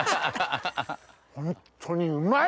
ホントにうまい！